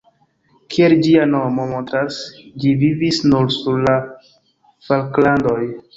Kiel ĝia nomo montras, ĝi vivis nur sur la Falklandoj.